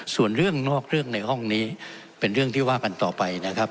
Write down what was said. ส่วนเรื่องนอกเรื่องในห้องนี้เป็นเรื่องที่ว่ากันต่อไปนะครับ